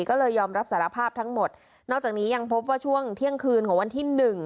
ก็เลยยอมรับสารภาพทั้งหมดนอกจากนี้ยังพบว่าช่วงเที่ยงคืนของวันที่หนึ่ง